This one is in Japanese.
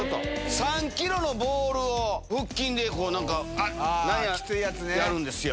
３キロのボールを、腹筋でなんか、なんや、やるんですよ。